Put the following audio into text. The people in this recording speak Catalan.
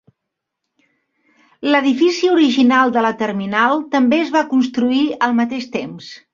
L"edifici original de la terminal també es va construir al mateix temps.